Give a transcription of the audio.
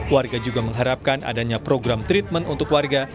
warga juga mengharapkan adanya program treatment untuk warga